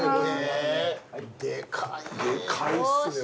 でかいっすよ。